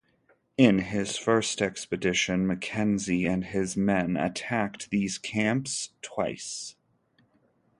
In his first expedition, Mackenzie and his men attacked these camps twice.